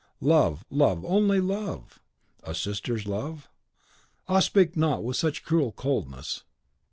"Love, love, only love!" "A sister's love?" "Ah, speak not with such cruel coldness!"